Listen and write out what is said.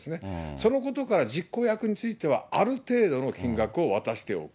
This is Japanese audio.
そのことから実行役については、ある程度の金額を渡しておく。